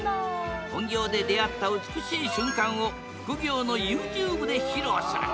本業で出会った美しい瞬間を副業のＹｏｕＴｕｂｅで披露する。